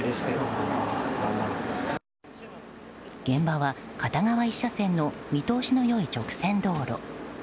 現場は片側１車線の見通しの良い直線道路。